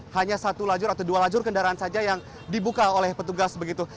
hanya satu lajur atau dua lajur kendaraan saja yang dibuka oleh petugas begitu